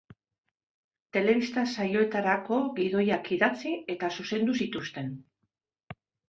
Telebista-saioetarako gidoiak idatzi eta zuzendu zituzten.